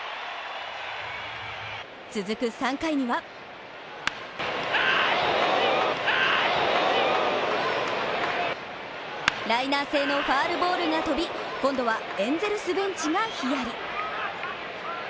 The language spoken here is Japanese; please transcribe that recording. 続く３回にはライナー性のファウルボールが飛び今度はエンゼルスベンチがひやり。